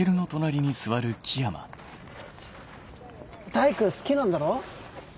体育好きなんだろ？